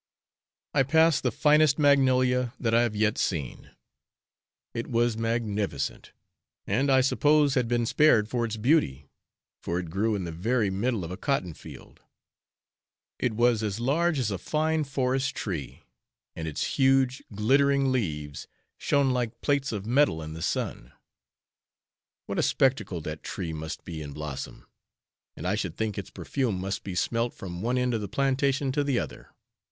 I passed the finest magnolia that I have yet seen; it was magnificent, and I suppose had been spared for its beauty, for it grew in the very middle of a cotton field; it was as large as a fine forest tree, and its huge glittering leaves shone like plates of metal in the sun; what a spectacle that tree must be in blossom, and I should think its perfume must be smelt from one end of the plantation to the other.